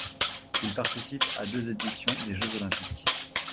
Il participe à deux éditions des Jeux olympiques.